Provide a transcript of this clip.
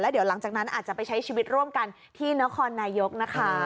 เดี๋ยวหลังจากนั้นอาจจะไปใช้ชีวิตร่วมกันที่นครนายกนะคะ